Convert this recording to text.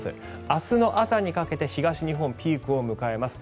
明日の朝にかけて東日本、ピークを迎えます。